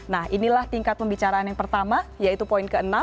nah inilah tingkat pembicaraan yang pertama yaitu poin ke enam